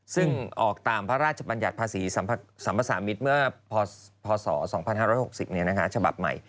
ซึ่งออกตามพระราชบัญญัติภาษีสัมภาษามิตรเมื่อพศ๒๕๖๐ฉบับใหม่